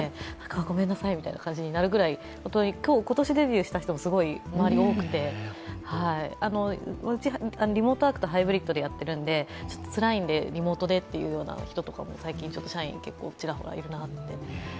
ごめんなさいみたいな感じになるくらい今年デビューした人も周りに多くてうち、リモートワークとハイブリッドでやっているんでつらいのでリモートでという人も最近、社員、ちらほらいるなって。